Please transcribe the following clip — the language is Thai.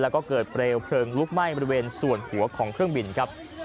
แล้วก็เกิดเปลวเพลิงลุกไหม้บริเวณส่วนหัวของเครื่องบินครับ